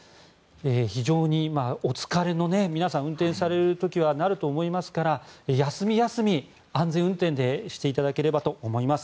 非常に皆さん運転される時はお疲れになると思いますから休み休み安全運転をしていただければと思います。